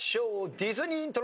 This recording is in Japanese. ディズニーイントロ。